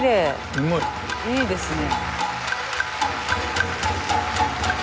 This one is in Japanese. すごい。いいですね。